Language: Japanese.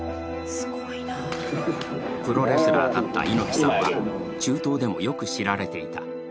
プロレスラーだった猪木さんは、中東でもよく知られていた。